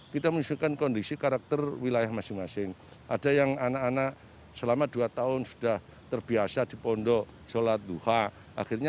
kita menunjukkan kondisi karakter wilayah masing masing ada yang anak anak selama dua tahun